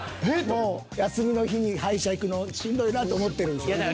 もう休みの日に歯医者行くのしんどいなと思ってるんですよね。